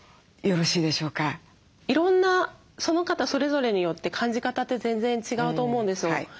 いろんなその方それぞれによって感じ方って全然違うと思うんですよ。